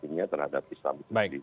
dunia terhadap islam